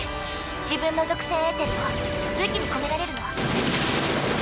自分の属性エーテルを武器に込められるの。